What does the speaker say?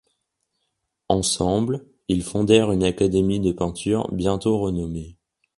Ensemble, ils fondèrent une académie de peinture bientôt renommée.